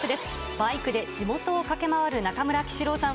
バイクで地元を駆け回る中村喜四郎さん。